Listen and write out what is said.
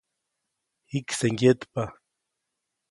Jikse ŋgyetpa.